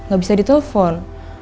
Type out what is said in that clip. gak bisa ditelepon